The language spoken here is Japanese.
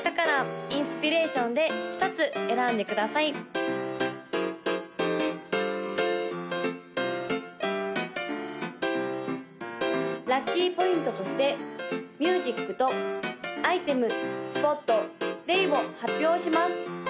・赤色紫色黄色青色の・ラッキーポイントとしてミュージックとアイテムスポットデイを発表します！